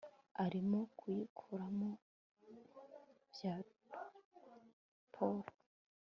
Arimo kuyikuramo Blaypaul